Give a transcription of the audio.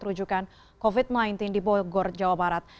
rujukan covid sembilan belas di bogor jawa barat